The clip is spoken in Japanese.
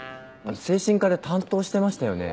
精神科で担当してましたよね？